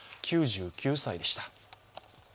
９９歳でした。